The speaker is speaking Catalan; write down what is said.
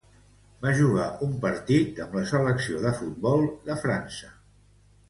Va jugar un partit amb la selecció de futbol de França.